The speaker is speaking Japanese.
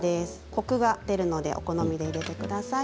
コクが出るのでお好みで入れてください。